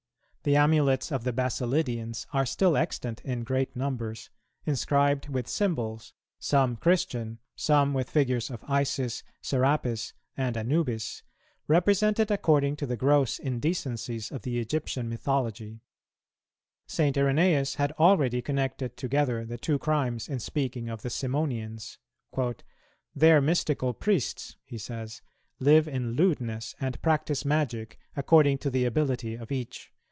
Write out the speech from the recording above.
[223:1] The amulets of the Basilidians are still extant in great numbers, inscribed with symbols, some Christian, some with figures of Isis, Serapis, and Anubis, represented according to the gross indecencies of the Egyptian mythology.[223:2] St. Irenæus had already connected together the two crimes in speaking of the Simonians: "Their mystical priests," he says, "live in lewdness, and practise magic, according to the ability of each.